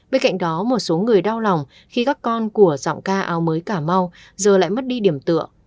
bên cạnh đó một số người đau lòng khi các con của giọng ca ao mới cà mau giờ lại mất đi điểm tựa